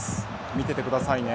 見ててくださいね。